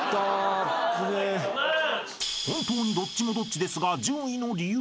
［本当にどっちもどっちですが順位の理由は？］